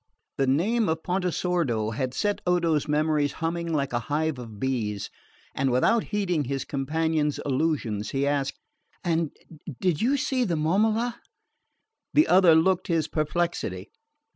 The name of Pontesordo had set Odo's memories humming like a hive of bees, and without heeding his companion's allusions he asked "And did you see the Momola?" The other looked his perplexity.